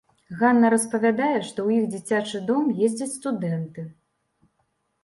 Ганна распавядае, што ў іх дзіцячы дом ездзяць студэнты.